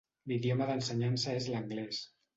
L'idioma d'ensenyança és l'anglès.